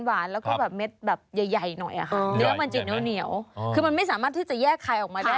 มันไม่สามารถสามารถที่จะแยกใครออกมาได้